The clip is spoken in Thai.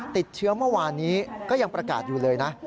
ติดเชื้อเมื่อวานนี้ก็ยังประกาศอยู่เลยนะ